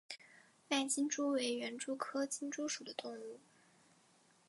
杂金蛛为园蛛科金蛛属的动物。